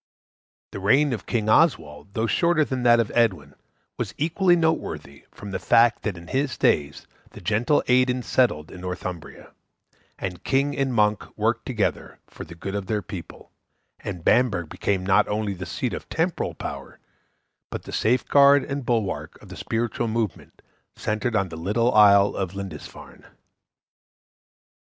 The reign of King Oswald, though shorter than that of Edwin, was equally noteworthy from the fact that in his days the gentle Aidan settled in Northumbria, and king and monk worked together for the good of their people, and Bamburgh became not only the seat of temporal power but the safeguard and bulwark of the spiritual movement centred on the little isle of Lindisfarne.